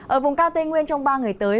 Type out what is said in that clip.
ở vùng cao tây nguyên trong ba ngày tới